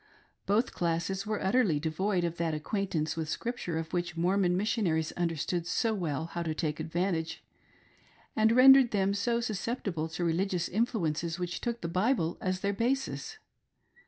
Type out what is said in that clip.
Both classes were utterly devoid of that acquaintance with Scripture of which the Mormon Missionaries understood so well how to take advantage, and which rendered them so sus ceptible to religious influences which took the Bible as their basis.